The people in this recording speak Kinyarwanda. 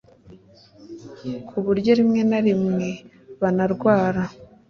kuburyo rimwe na rimwe banarwara